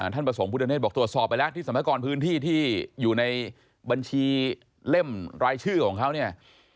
ท่านประสงค์พุทธเนศบอกตรวจสอบไปแล้วที่สรรพากรพื้นที่ที่อยู่ในบัญชีเล่มรายชื่อของเขาเนี่ย